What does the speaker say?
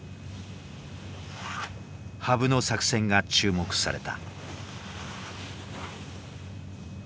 羽生の作戦が注目された。